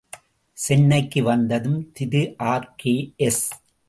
சென்னைக்கு வந்ததும் திரு ஆர்.கே.எஸ்.